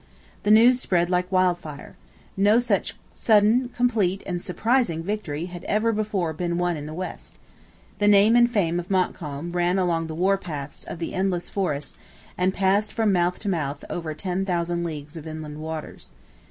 The news spread like wildfire. No such sudden, complete, and surprising victory had ever before been won in the West. The name and fame of Montcalm ran along the war paths of the endless forest and passed from mouth to mouth over ten thousand leagues of inland waters.